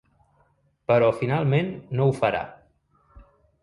Però finalment no ho farà.